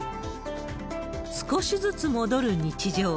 少しずつ戻る日常。